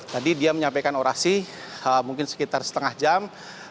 tadi dia menyampaikan orasi mungkin sekitar setengah jam